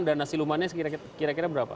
dana silumannya kira kira berapa